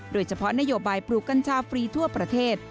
โดยเฉพาะนโยบายปลูกกัญชาฟรีทั่วประเทศ